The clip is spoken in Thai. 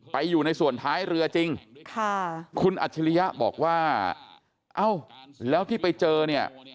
ไปอยู่ในส่วนท้ายเรือจริงค่ะคุณอัจฉริยะบอกว่าเอ้าแล้วที่ไปเจอเนี่ย